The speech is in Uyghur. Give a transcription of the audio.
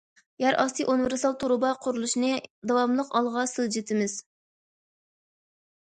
يەر ئاستى ئۇنىۋېرسال تۇرۇبا قۇرۇلۇشىنى داۋاملىق ئالغا سىلجىتىمىز.